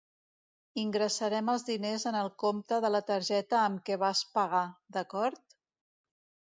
Ingressarem els diners en el compte de la targeta amb què vas pagar, d'acord?